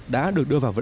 đã được đưa vào lĩnh vực